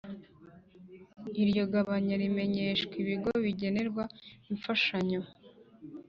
Iryo gabanya rimenyeshwa ibigo bigenerwa imfashanyo